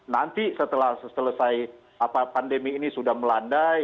nanti setelah selesai pandemi ini sudah melandai